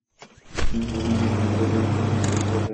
কিন্তু আমি তোমাকে তোমার প্রাপ্য সম্মানটাই দিয়েছি।